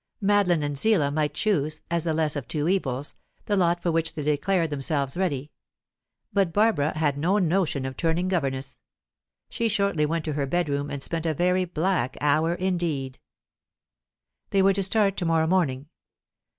Madeline and Zillah might choose, as the less of two evils, the lot for which they declared themselves ready; but Barbara had no notion of turning governess. She shortly went to her bedroom, and spent a very black hour indeed. They were to start to morrow morning.